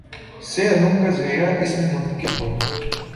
سے علوم کا ذخیرہ اس میں منتقل ہو